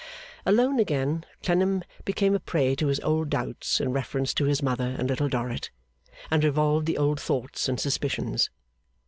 Alone again, Clennam became a prey to his old doubts in reference to his mother and Little Dorrit, and revolved the old thoughts and suspicions.